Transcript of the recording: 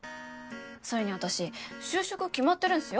それに私就職決まってるんすよ。